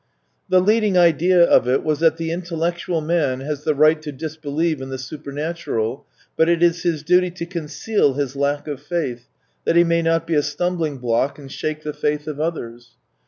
The leading idea of it was that the intellectual man has the right to disbelieve in the supernatural, but it is his duty to conceal his lack of faith, that he may not be a stumbling block and shake the faith of others.